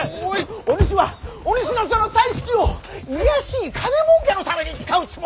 お主はお主のその才識を卑しい金もうけのために使うつもりか！